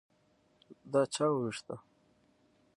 _دا چا ووېشته؟